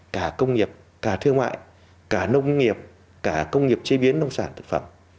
cả công nghiệp cả thương ngoại cả nông nghiệp cả công nghiệp chế biến nông sản